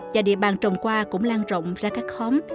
và địa bàn trồng qua cũng lan rộng ra các khóm